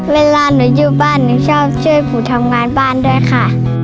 เวลาหนูอยู่บ้านหนูชอบช่วยผูทำงานบ้านด้วยค่ะ